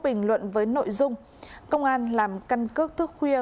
bình luận với nội dung công an làm căn cước thước khuya